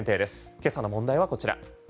今朝の問題はこちら。